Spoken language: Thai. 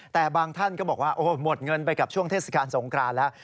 แต่บางท่านก็บอกว่าโอ้หมดเงินไปกับช่วงเทศกาลสงครานแล้ว